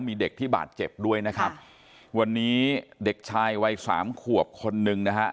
มีเด็กที่บาดเจ็บด้วยนะครับวันนี้เด็กชายวัยสามขวบคนหนึ่งนะฮะ